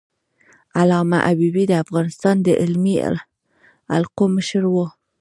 علامه حبيبي د افغانستان د علمي حلقو مشر و.